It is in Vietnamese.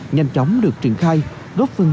nhanh chóng được trình khai góp phần